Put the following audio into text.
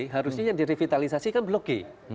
harusnya yang direvitalisasi kan blok g